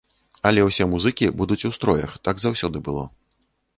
Але ўсе музыкі будуць у строях, так заўсёды было.